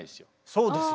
そうですよ。